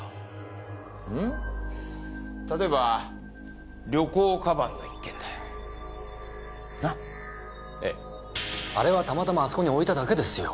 例えば旅行鞄の一件だよ。な？ええ。あれはたまたまあそこに置いただけですよ。